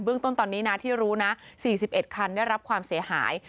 ต้นตอนนี้นะที่รู้นะ๔๑คันได้รับความเสียหาย